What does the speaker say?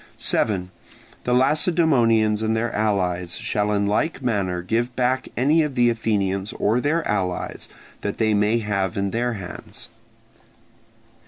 7. The Lacedaemonians and their allies shall in like manner give back any of the Athenians or their allies that they may have in their hands.